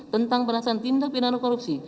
tentang perasaan tindak pidana korupsi